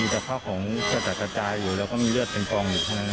มีแต่ข้าวของเชื้อสะชะจายอยู่แล้วก็มีเลือดเป็นกองอยู่ข้างเนี้ยครับ